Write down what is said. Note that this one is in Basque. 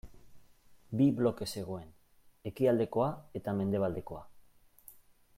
Bi bloke zegoen ekialdekoa eta mendebaldekoa.